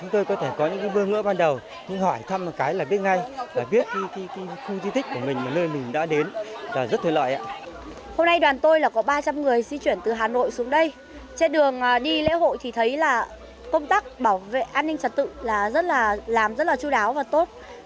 trên đường đi lễ hội thì thấy là công tác bảo vệ an ninh trật tự là rất là làm rất là chú đáo và tốt